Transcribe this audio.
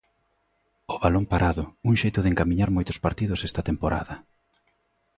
O balón parado, un xeito de encamiñar moitos partidos esta temporada.